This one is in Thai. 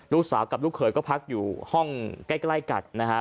ลูกสาวกับลูกเขยก็พักอยู่ห้องใกล้กันนะฮะ